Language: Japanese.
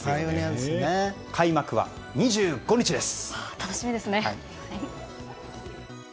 開幕は２５日です。